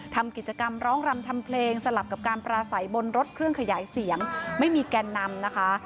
ทำกิจกรรมร้องรำทำเพลงสลับกับการปราศัยบนรถเครื่องขยายเสียงไม่มีแกนนำนะคะ